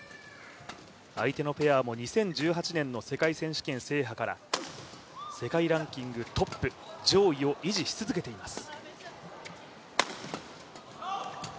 相手のペアも２０１８年の世界選手権制覇から世界ランキングトップ、上位を維持し続けています。